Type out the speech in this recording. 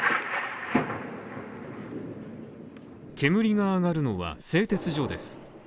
煙が上がるのは製鉄所です。